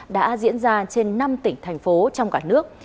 đã diễn ra trên năm tỉnh thành phố trong cả nước